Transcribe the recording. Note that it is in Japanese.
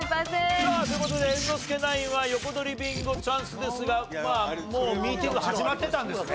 さあという事で猿之助ナインは横取りビンゴチャンスですがまあもうミーティング始まってたんですね。